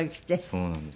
そうなんです。